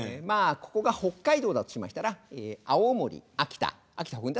まあここが北海道だとしましたら青森秋田秋田